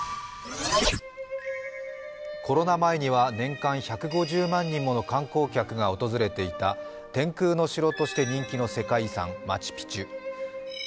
コロナ前には年間１５０万人もの観光客が訪れていた天空の城として人気の世界遺産、マチュピチュ。